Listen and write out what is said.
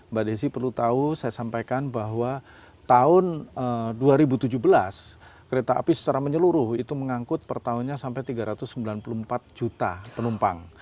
mbak desi perlu tahu saya sampaikan bahwa tahun dua ribu tujuh belas kereta api secara menyeluruh itu mengangkut per tahunnya sampai tiga ratus sembilan puluh empat juta penumpang